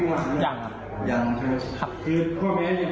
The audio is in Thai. ถ้าจะให้ความลงมือ